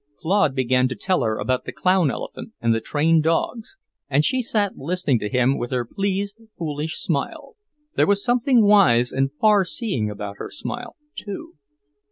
Claude began to tell her about the clown elephant and the trained dogs, and she sat listening to him with her pleased, foolish smile; there was something wise and far seeing about her smile, too.